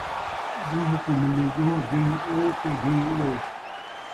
ڳوہ کوں ملی ڳوہ ، جیہیں او تے جیہیں او